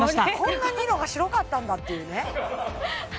こんなに色が白かったんだっていうね